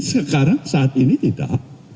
sekarang saat ini tidak